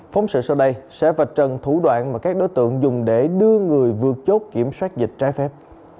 phóng sự sau đây sẽ vạch trần thủ đoạn mà các đối tượng dùng để đưa người vượt chốt kiểm soát dịch trái phép